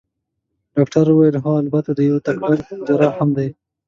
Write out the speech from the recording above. ډاکټر وویل: هو، البته دی یو تکړه جراح هم دی.